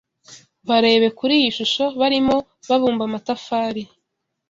Barebe kuri iyi shusho barimo babumba amatafari